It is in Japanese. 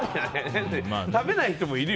食べない人もいるよ。